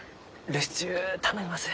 留守中頼みます。